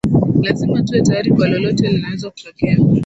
lazima tuwe tayari kwa lolote linaweza kutokea